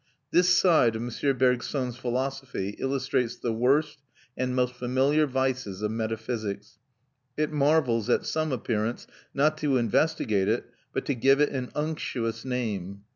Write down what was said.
This side of M. Bergson's philosophy illustrates the worst and most familiar vices of metaphysics. It marvels at some appearance, not to investigate it, but to give it an unctuous name.